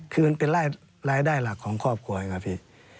คือมันเป็นรายได้หลักของครอบครัวครับพี่